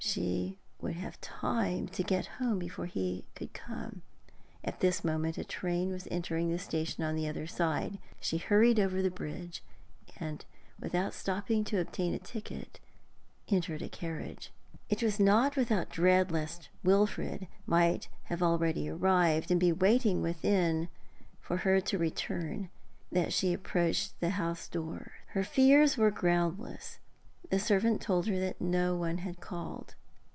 She would have time to get home before he could come. At this moment a train was entering the station on the other side. She hurried over the bridge, and, without stopping to obtain a ticket, entered a carriage. It was not without dread lest Wilfrid might have already arrived, and be waiting within for her return that she approached the house door. Her fears were groundless. The servant told her that no one had called.